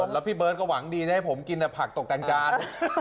แล้วพี่เบิร์ตก็หวังดีนะให้ผมกินผักตกแต่งจาน